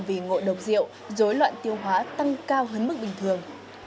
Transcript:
vì ngộ độc rượu dối loạn tiêu hóa tăng cao hơn mức bình thường